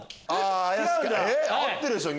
合ってるでしょ？。